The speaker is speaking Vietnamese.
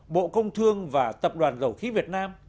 bộ công thương và tập đoàn dầu khí việt nam